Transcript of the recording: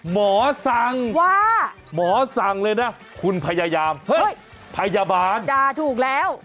หมอสั่งว่าหมอสั่งเลยนะคุณพยายามเฮ้ยพยาบาลด่าถูกแล้ว